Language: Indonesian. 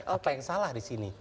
apa yang salah di sini